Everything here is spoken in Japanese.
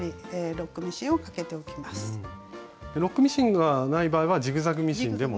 ロックミシンがない場合はジグザグミシンでも。